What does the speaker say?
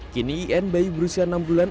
kini in bayi berusia enam bulan